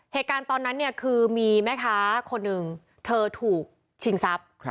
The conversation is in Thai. เหตุการณ์ตอนนั้นเนี่ยคือมีแม่ค้าคนหนึ่งเธอถูกชิงทรัพย์